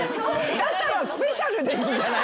だったらスペシャルでいいんじゃない？